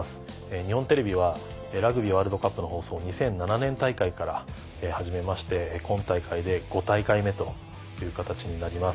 日本テレビはラグビーワールドカップの放送を２００７年大会から始めまして今大会で５大会目という形になります。